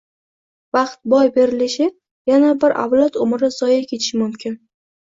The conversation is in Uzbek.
vaqt boy berilishi, yana bir avlod umri zoye ketishi mumkin.